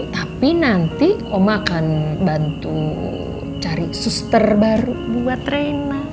tapi nanti oma akan bantu cari suster baru buat reina